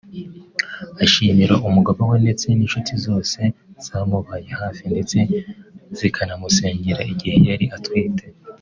ashimira umugabo we ndetse n’inshuti zose zamubaye hafi ndetse zikanamusengera igihe yari atwite